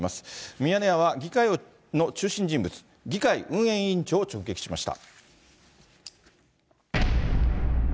ミヤネ屋は議会の中心人物、議会運営委員長を直撃しました。